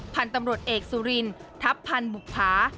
พันธุ์ตำรวจเอกสุรินทัพพันธ์บุภา